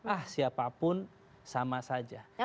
ah siapapun sama saja